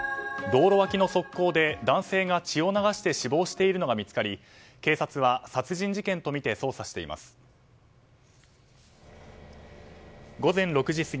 道路脇の側溝で男性が血を流して死亡しているのが見つかり警察は、殺人事件とみて捜査しています。